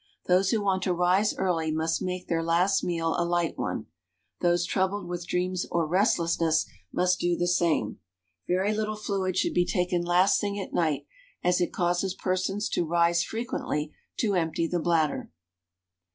Those who want to rise early must make their last meal a light one. Those troubled with dreams or restlessness must do the same. Very little fluid should be taken last thing at night, as it causes persons to rise frequently to empty the bladder.